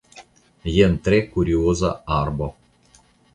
Jen tre kurioza arbo.